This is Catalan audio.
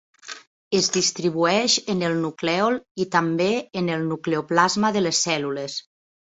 Es distribueix en el nuclèol i també en el nucleoplasma de les cèl·lules.